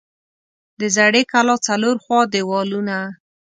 د زړې کلا څلور خوا دیوالونه